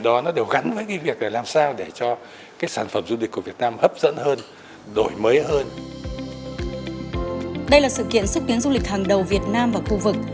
đây là sự kiện xúc tiến du lịch hàng đầu việt nam và khu vực